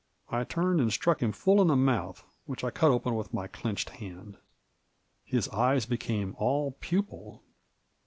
1 turned and struck him full in the mouth, which I cut open with my clinched hand. His eyes became all pupil.